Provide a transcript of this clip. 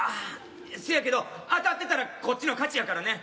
せやけど当たってたらこっちの勝ちやからね。